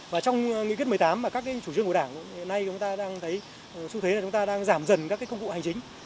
và trong nghị quyết một mươi tám mà các chủ trương của đảng hiện nay chúng ta đang thấy xu thế là chúng ta đang giảm dần các công cụ hành chính